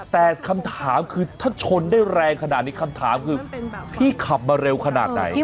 แต่คำถามคือถ้าชนได้แรงขนาดนี้คำถามคือพี่ขับมาเร็วขนาดไหน